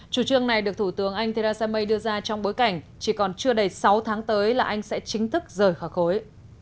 chủ trương này được thủ tướng anh theresa may đưa ra trong bối cảnh chỉ còn chưa đầy sáu tháng tới là anh sẽ chính thức rời khỏi khối